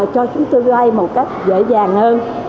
cho chúng tôi vay một cách dễ dàng hơn